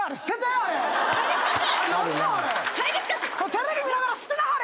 テレビ見ながら捨てなはれ。